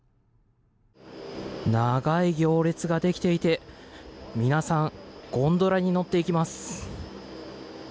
長い行列ができていて皆さん、ゴンドラに乗っていきます。